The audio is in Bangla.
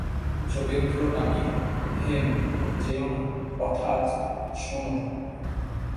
যোগেন্দ্র ডাকিল, হেম, যেয়ো না, কথা আছে, শোনো।